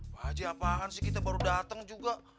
pak haji apaan sih kita baru datang juga